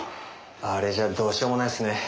あれじゃどうしようもないっすね。